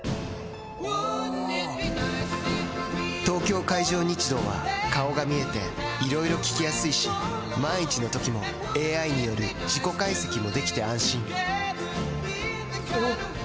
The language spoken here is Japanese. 東京海上日動は顔が見えていろいろ聞きやすいし万一のときもＡＩによる事故解析もできて安心おぉ！